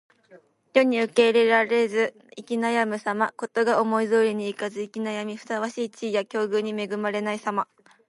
世に受け入れられず行き悩むさま。事が思い通りにいかず行き悩み、ふさわしい地位や境遇に恵まれないさま。